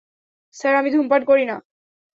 Sir, আমি ধুমপান করি না।